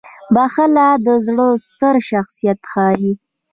• بخښل د زړه ستر شخصیت ښيي.